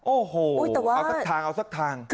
โอ้โหเอาสักทาง